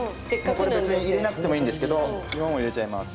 これ別に入れなくてもいいんですけどイモも入れちゃいます。